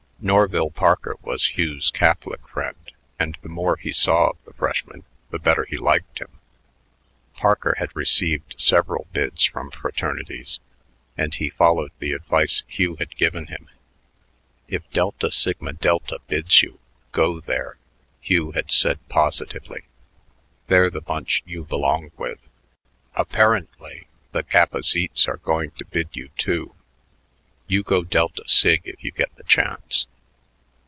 Norville Parker was Hugh's Catholic friend, and the more he saw of the freshman the better he liked him. Parker had received several bids from fraternities, and he followed the advice Hugh had given him. "If Delta Sigma Delta bids you, go there," Hugh had said positively. "They're the bunch you belong with. Apparently the Kappa Zetes are going to bid you, too. You go Delta Sig if you get the chance."